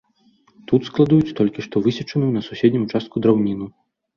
Тут складуюць толькі што высечаную на суседнім участку драўніну.